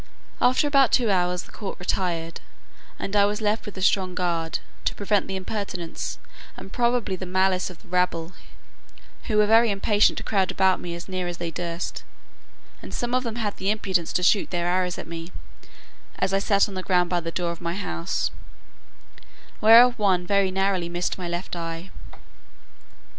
After about two hours the court retired, and I was left with a strong guard, to prevent the impertinence, and probably the malice of the rabble, who were very impatient to crowd about me as near as they durst; and some of them had the impudence to shoot their arrows at me, as I sat on the ground by the door of my house, whereof one very narrowly missed my left eye.